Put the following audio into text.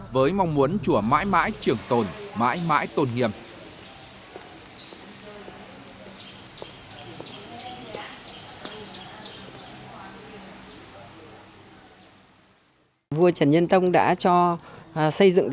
với mong muốn chùa mãi mãi trưởng tượng